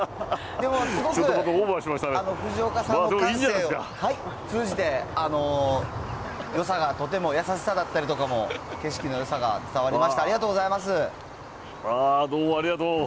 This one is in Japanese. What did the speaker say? でも、すごく藤岡さんの感性を通じて、よさが、とても優しさだったりとかも、景色のよさ伝わりました、どうもありがとう。